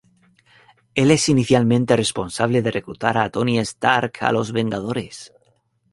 Él es inicialmente responsable de reclutar a Tony Stark a los Vengadores.